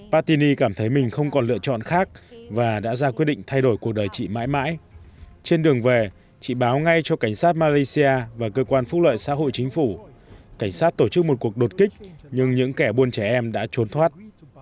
pati cảm thấy mình không còn lựa chọn khác và đã ra quyết định thay đổi cuộc đời chị mãi mãi trên đường về chị báo ngay cho cảnh sát malaysia và cơ quan phúc lợi xã hội chính phủ cảnh sát tổ chức một cuộc đột kích nhưng những kẻ buôn trẻ em đã trốn thoát